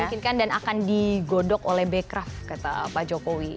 memungkinkan dan akan digodok oleh becraft kata pak jokowi